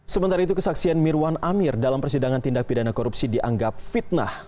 sementara itu kesaksian mirwan amir dalam persidangan tindak pidana korupsi dianggap fitnah